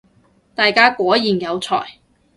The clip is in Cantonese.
大家果然有才